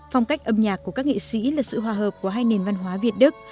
phong cách âm nhạc của các nghệ sĩ là sự hòa hợp của hai nền văn hóa việt đức